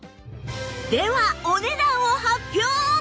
ではお値段を発表！